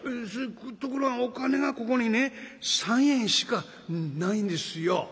「ところがお金がここにね３円しかないんですよ」。